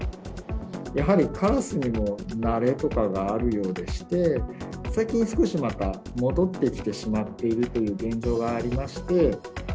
やはりカラスにも慣れとかがあるようでして、最近、少しまた戻ってきてしまっているという現状がありまして。